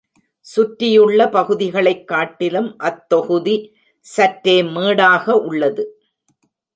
சுற்றியுள்ள பகுதிகளைக் காட்டிலும் அத் தொகுதி சற்றே மேடாக உள்ளது.